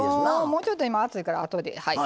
もうちょっと今熱いからあとで。